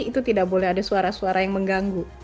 itu tidak boleh ada suara suara yang mengganggu